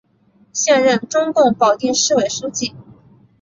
现任中共保定市委书记。